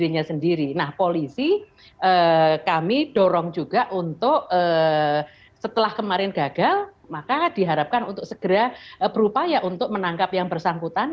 nah polisi kami dorong juga untuk setelah kemarin gagal maka diharapkan untuk segera berupaya untuk menangkap yang bersangkutan